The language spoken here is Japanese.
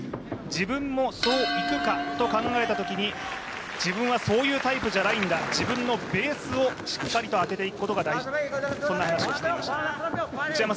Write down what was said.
自分もそういくかと考えたときに、自分はそういうタイプじゃないんだ、自分のベースをしっかりと当てていくことが大事、そんな話をしていました。